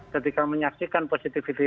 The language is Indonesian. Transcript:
ketika menyaksikan positivity